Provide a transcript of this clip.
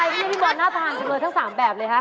อะไรที่นี่พี่บอลหน้าผ่านเฉพาะทั้ง๓แบบเลยครับ